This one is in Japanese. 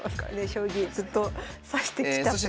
将棋ずっと指してきたという。